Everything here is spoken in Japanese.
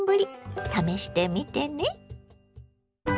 試してみてね。